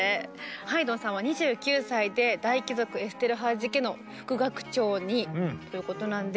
ハイドンさんは２９歳で大貴族エステルハージ家の副楽長にということなんですが。